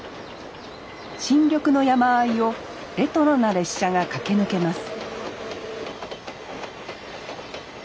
新緑の山あいをレトロな列車が駆け抜けます